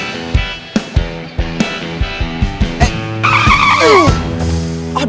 saya benar benar disangkaan